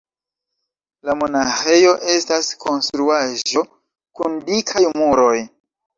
La monaĥejo estas konstruaĵo kun dikaj muroj.